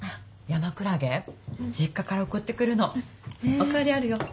お代わりあるよ。